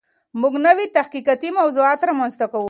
موږ نوي تحقیقاتي موضوعات رامنځته کوو.